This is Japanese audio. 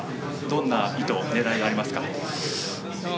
どんな意図、狙いがありますか？